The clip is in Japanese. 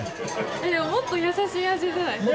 いやもっと優しい味じゃないですか？